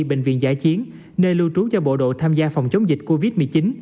bệnh viện giải chiến nơi lưu trú cho bộ đội tham gia phòng chống dịch covid một mươi chín